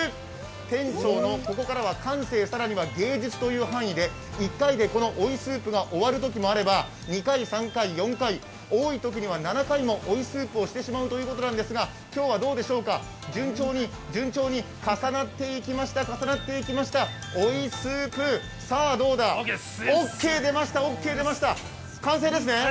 店長のここからは感性、更には芸術という範囲で１回で追いスープが終わるときもあれば２回、３回、４回、多いときには７回も追いスープをしてしまうということなんですが、今日は順調に順調に重なっていきました、重なっていきました、追いスープ、さぁ、どうだ、オーケー出ました、完成ですね。